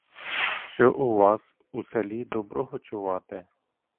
Що у вас у селі доброго чувати?